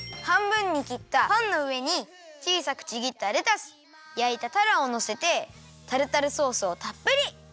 はんぶんにきったパンのうえにちいさくちぎったレタスやいたたらをのせてタルタルソースをたっぷり！